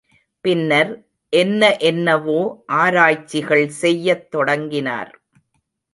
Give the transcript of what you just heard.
பின்னர் என்ன என்னவோ ஆராய்ச்சிகள் செய்யத் தொடங்கினார்.